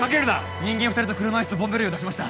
人間二人と車イスとボンベ類を出しました